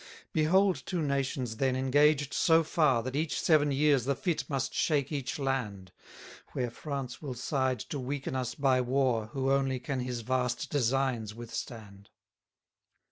7 Behold two nations, then, engaged so far That each seven years the fit must shake each land: Where France will side to weaken us by war, Who only can his vast designs withstand.